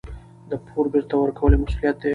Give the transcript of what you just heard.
د پور بېرته ورکول یو مسوولیت دی.